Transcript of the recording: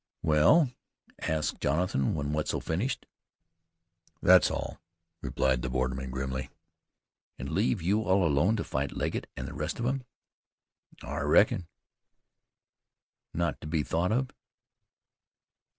"Well?" asked Jonathan when Wetzel finished. "That's all," the borderman replied grimly. "An' leave you all alone to fight Legget an' the rest of 'em?" "I reckon." "Not to be thought of."